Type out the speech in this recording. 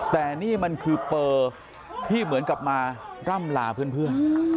แต่นี่มันคือเปล่าที่เหมือนกลับมาร่ำลาพื้นมา